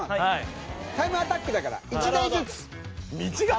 タイムアタックだから１台ずつ。